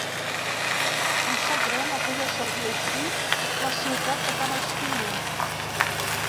Em sap greu no poder servir així la ciutat que tant estimo.